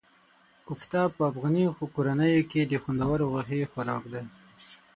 کوفته په افغاني کورنیو کې د خوندورو غوښې خوراک دی.